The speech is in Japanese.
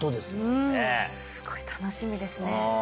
すごい、楽しみですね。